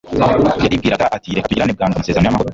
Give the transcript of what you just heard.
yaribwiraga ati reka tugirane bwangu amasezerano y'amahoro